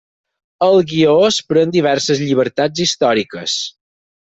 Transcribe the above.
El guió es pren diverses llibertats històriques.